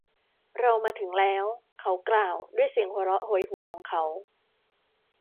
เรามาถึงแล้ว เขากล่าว ด้วยเสียงหัวเราะโหยหวนของเขา